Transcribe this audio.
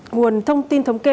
nguồn thông tin thống kê